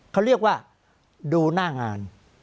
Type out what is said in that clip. เขาเรียกว่าดูหน้างาน